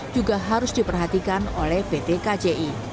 juga harus diperhatikan oleh pt kci